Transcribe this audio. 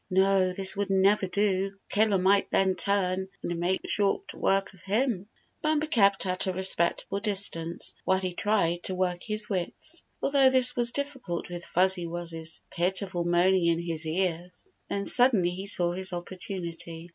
No, this would never do. Killer might then turn and make short work of him. Bumper kept at a respectable distance while he tried to work his wits, although this was dif ficult with Fuzzy Wuzz's pitiful moaning in his ears. Then suddenly he saw his opportunity.